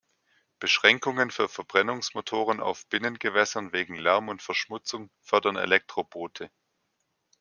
Beschränkungen für Verbrennungsmotoren auf Binnengewässern wegen Lärm und Verschmutzung fördern Elektroboote.